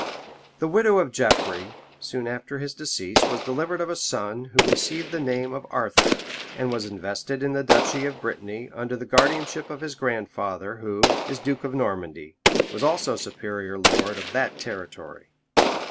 ] The widow of Geoffrey, soon after his decease, was delivered of a son who received the name of Arthur, and was invested in the duchy of Brittany, under the guardianship of his grandfather, who, is duke of Normandy, was also superior lord of that territory.